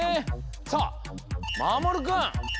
さあまもるくん！